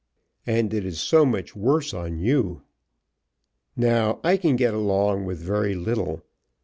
And it is so much worse on you. Now I can get along with very little.